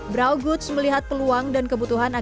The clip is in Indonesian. brow goods melihat peluang dan kebutuhan akan kembali